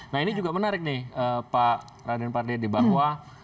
nah ini juga menarik nih pak raden pardedi barwa